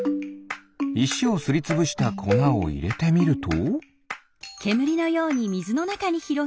いしをすりつぶしたこなをいれてみると？